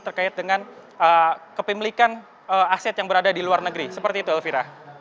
terkait dengan kepemilikan aset yang berada di luar negeri seperti itu elvira